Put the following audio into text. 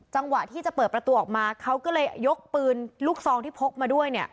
จังหวะที่จะเปิดประตูออกมาเขาก็เลยยกปืนลูกซองที่พกมาด้วยเนี่ย